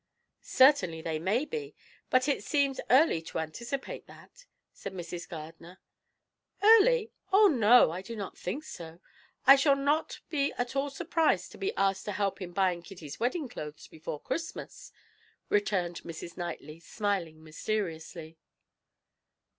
"Certainly they may be; but it seems early to anticipate that," said Mrs. Gardiner. "Early? Oh, no, I do not think so. I shall not be at all surprised to be asked to help in buying Kitty's wedding clothes before Christmas," returned Mrs. Knightley, smiling mysteriously.